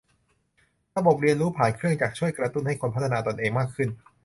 ระบบเรียนรู้ผ่านเครื่องจักรช่วยกระตุ้นให้คนพัฒนาตนเองมากขึ้น